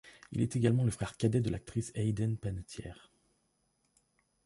Il est également le frère cadet de l'actrice Hayden Panettiere.